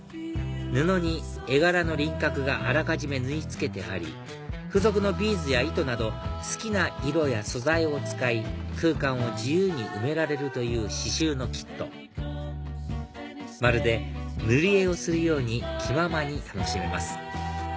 布に絵柄の輪郭があらかじめ縫い付けてあり付属のビーズや糸など好きな色や素材を使い空間を自由に埋められるという刺繍のキットまるで塗り絵をするように気ままに楽しめます